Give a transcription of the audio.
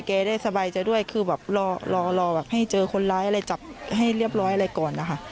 ได้สบายใจด้วยคือแบบรอรอแบบให้เจอคนร้ายอะไรจับให้เรียบร้อยอะไรก่อนนะคะ